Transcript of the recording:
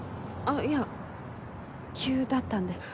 あっいや急だったんで。